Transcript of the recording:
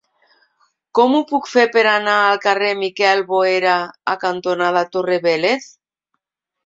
Com ho puc fer per anar al carrer Miquel Boera cantonada Torre Vélez?